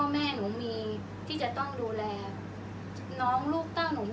อันไหนที่มันไม่จริงแล้วอาจารย์อยากพูด